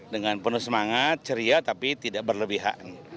dengan penuh semangat ceria tapi tidak berlebihan